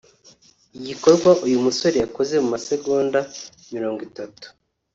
Igikorwa uyu musore yakoze mu masegonda mirongo itatu